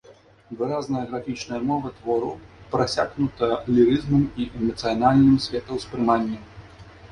Выразная графічная мова твораў прасякнута лірызмам і эмацыянальным светаўспрыманнем.